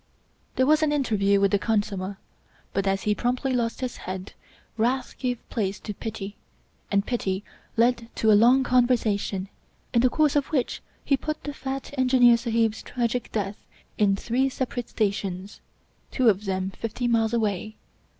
There was an interview with the khansamah, but as he promptly lost his head, wrath gave place to pity, and pity led to a long conversation, in the course of which he put the fat Engineer Sahib's tragic death in three separate stations — ^two of them fifty miles away.